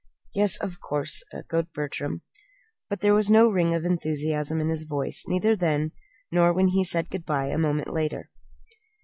"Yes, of course," echoed Bertram. But there was no ring of enthusiasm in his voice, neither then, nor when he said good by a moment later.